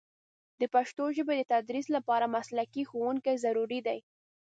د پښتو ژبې د تدریس لپاره مسلکي ښوونکي ضروري دي.